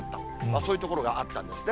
そういう所があったんですね。